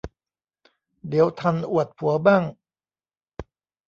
เดี๋ยวทันอวดผัวมั่ง